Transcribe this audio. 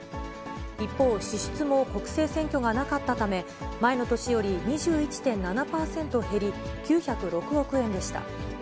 一方、支出も国政選挙がなかったため、前の年より２１．７％減り、９０６億円でした。